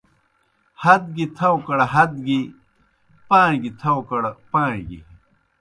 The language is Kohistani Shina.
ہت گیْ تھاؤکڑ ہت گیْ، پاں گیْ تھاؤکڑ پاں گیْ